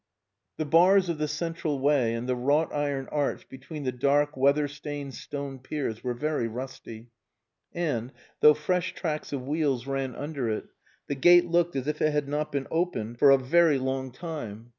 The bars of the central way and the wrought iron arch between the dark weather stained stone piers were very rusty; and, though fresh tracks of wheels ran under it, the gate looked as if it had not been opened for a very long time.